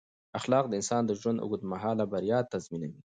اخلاق د انسان د ژوند اوږد مهاله بریا تضمینوي.